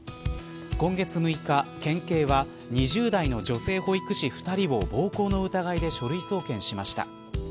今月６日、県警は２０代の女性保育士２人を暴行の疑いで書類送検しました。